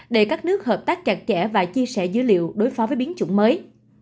để các nước hợp tác chặt chẽ và chia sẻ dữ liệu đối phó với biến chủng mới